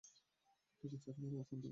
ঠিক আছে, তোমার অবস্থান থেকে তিনটা বাজে।